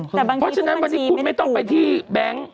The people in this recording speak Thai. เพราะฉะนั้นวันนี้คุณไม่ต้องไปที่แบงค์